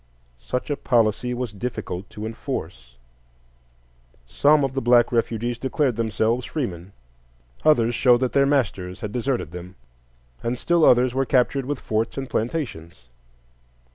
Such a policy was difficult to enforce; some of the black refugees declared themselves freemen, others showed that their masters had deserted them, and still others were captured with forts and plantations.